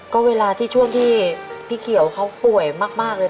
ก็เวลาที่ช่วงที่พี่เขียวเขาป่วยมากเลย